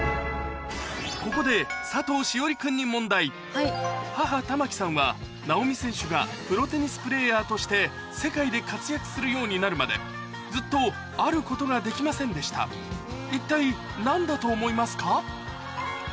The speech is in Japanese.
ここで佐藤栞里君に母環さんはなおみ選手がプロテニスプレーヤーとして世界で活躍するようになるまでずっとあることができませんでした一体何だと思いますか？